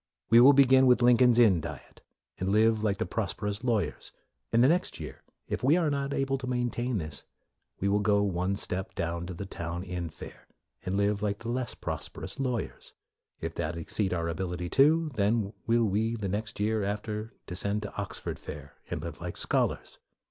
We will begin with Lincoln's Inn diet, and live like the prosperous lawyers; and the next year, if we are not able to maintain this, we will go one step down to the Town Inn fare, and live like the less prosperous MORE 43 lawyers. If that exceed our ability too, then will we the next year after descend to Oxford fare, and live like scholars.